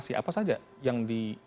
atau somasi apa saja yang di